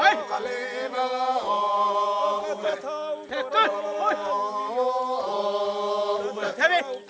untuk dinikmati saat berpesta